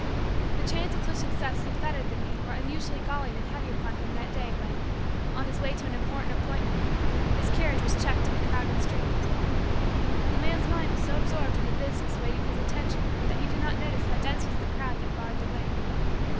The chains with which Success had fettered the man were unusually galling and heavy upon him that day, when, on his way to an important appointment, his carriage was checked in a crowded street. The man's mind was so absorbed in the business waiting his attention that he did not notice how dense was the crowd that barred the way.